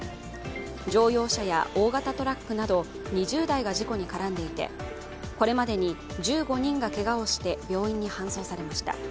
乗用車や大型トラックなど２０台が事故に絡んでいてこれまでに１５人がけがをして病院に搬送されました。